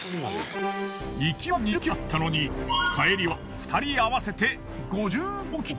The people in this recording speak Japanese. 行きは２０ｋｇだったのに帰りは２人合わせて５５ｋｇ。